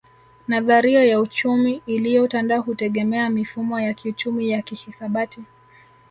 Nadharia ya uchumi iliyotanda hutegemea mifumo ya kiuchumi ya kihisabati